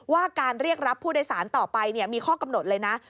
ว่าการเรียกรับผู้โดยสารต่อไปมีข้อกำหนดเลยนะ